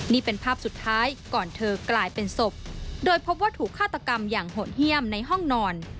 นี่เป็นภาพสุดท้ายก่อนเธอกลายเป็นศพโดยพบว่าถูกฆาตกรรมอย่างโหดเยี่ยมในห้องนอน